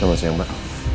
selamat siang pak